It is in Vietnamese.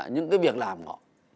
những cái việc làm của họ